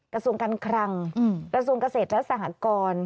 กระทรวงการคลังกระทรวงเกษตรและสหกร